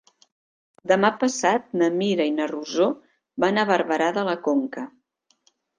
Demà passat na Mira i na Rosó van a Barberà de la Conca.